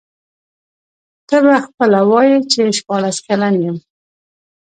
ته به خپله وایې چي شپاړس کلن یم.